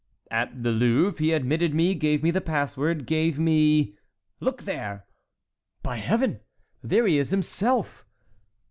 "At the Louvre. He admitted me, gave me the pass word, gave me"— "Look there!" "By Heaven!—there he is himself."